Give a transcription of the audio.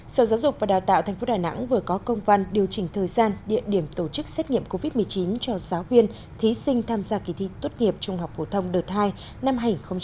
sở giáo dục và đào tạo tp đà nẵng vừa có công văn điều chỉnh thời gian địa điểm tổ chức xét nghiệm covid một mươi chín cho giáo viên thí sinh tham gia kỳ thi tốt nghiệp trung học phổ thông đợt hai năm hai nghìn hai mươi